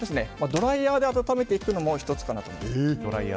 ドライヤーで温めていくのも１つかなと思います。